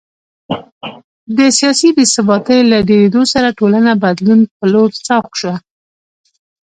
د سیاسي بې ثباتۍ له ډېرېدو سره ټولنه بدلون په لور سوق شوه